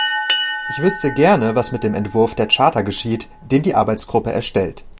Ich wüßte gerne, was mit dem Entwurf der Charta geschieht, den die Arbeitsgruppe erstellt.